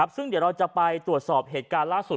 ซึ่งเดี๋ยวเราจะไปตรวจสอบเหตุการณ์ล่าสุด